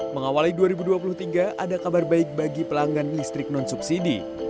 mengawali dua ribu dua puluh tiga ada kabar baik bagi pelanggan listrik non subsidi